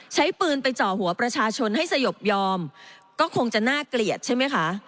ใช้ปืนไปเจาะหัวประชาชนให้สยบยอมก็คงจะน่าเกลียดใช่ไหมคะ